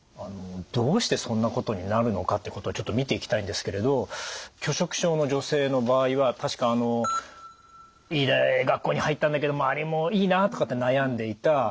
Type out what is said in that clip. どうしてそんなことになるのかってことをちょっと見ていきたいんですけれど拒食症の女性の場合は確かいい学校に入ったんだけど周りもいいなとかって悩んでいた。